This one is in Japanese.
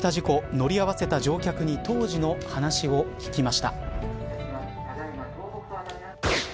乗り合わせた乗客に当時の話を聞きました。